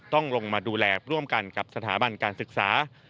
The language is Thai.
ต้องลงมาดูแลร่วมกันกับสถาบันการศึกษา